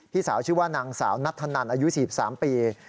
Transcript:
สาวชื่อว่านางสาวนัทธนันอายุ๔๓ปี